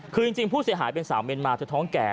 คือจริงผู้เสียหายเป็นสาวเมียนมาเธอท้องแก่